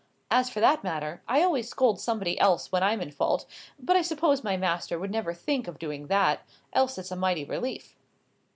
As for that matter, I always scold somebody else when I'm in fault; but I suppose my master would never think of doing that, else it's a mighty relief.